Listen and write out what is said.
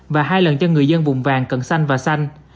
và hai lần cho người dân vùng vàng cần xanh và xanh